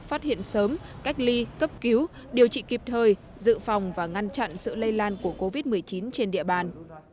phát hiện sớm cách ly cấp cứu điều trị kịp thời dự phòng và ngăn chặn sự lây lan của covid một mươi chín trên địa bàn